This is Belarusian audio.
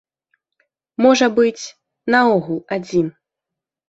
Можа быць, наогул адзін.